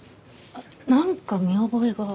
なんか見覚えが。